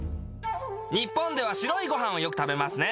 日本では白いごはんをよく食べますね。